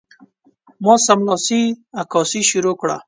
ما سملاسي عکاسي شروع کړه.